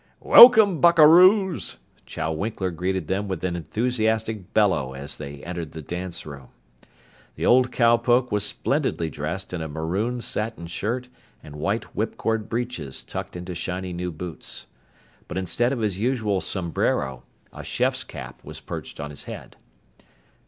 "Welcome, buckaroos!" Chow Winkler greeted them with an enthusiastic bellow as they entered the dance room. The old cowpoke was splendidly dressed in a maroon satin shirt and white whipcord breeches tucked into shiny new boots. But instead of his usual sombrero, a chef's cap was perched on his head.